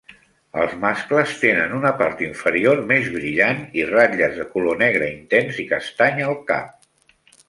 Els mascles tenen una part inferior més brillant i ratlles de color negre intens i castany al cap.